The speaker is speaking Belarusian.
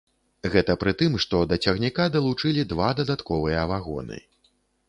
Гэта пры тым, што да цягніка далучылі два дадатковыя вагоны.